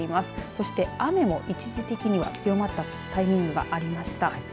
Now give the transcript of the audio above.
そして、雨も一時的には強まったタイミングがありました。